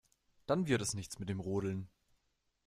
Dann wird es nichts mit dem Rodeln.